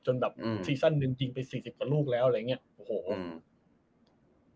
จนแบบซีซั่นหนึ่งยิงไปสี่สิบประลูกแล้วอะไรอย่างเงี้ย